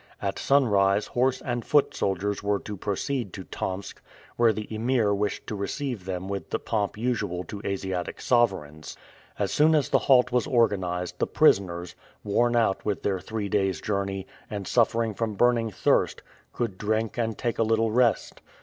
At sunrise horse and foot soldiers were to proceed to Tomsk, where the Emir wished to receive them with the pomp usual to Asiatic sovereigns. As soon as the halt was organized, the prisoners, worn out with their three days' journey, and suffering from burning thirst, could drink and take a little rest.